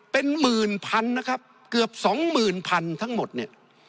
เป็นหมื่นพันนะครับเกือบสองหมื่นพันทั้งหมดเนี่ย